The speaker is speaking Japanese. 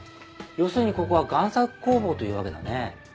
要するにここは贋作工房というわけだね。